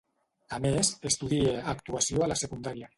A més, estudie actuació a la secundària.